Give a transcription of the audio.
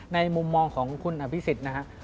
ในมุมมองของคุณอภิสิทธิ์นะครับ